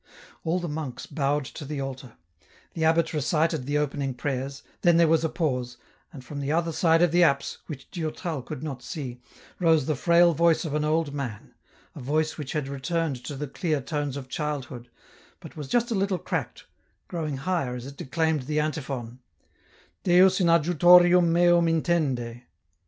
All the monks bowed to the altar ; the abbot recited the opening prayers, then there was a pause, and, from the other side of the apse, which Durtal could not see, rose the frail voice of an old man, a voice which had returned to the clear tones of childhood, but was just a little cracked, growing higher as it declaimed the antiphon, Deus in adjutorium meum intende."